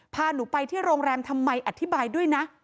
พาหนูไปที่โรงแรมทำไมอธิบายด้วยนะ